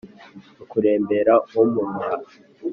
. Mu kurembera umuroha